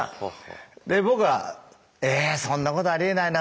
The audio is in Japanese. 僕は「えそんなことありえないな。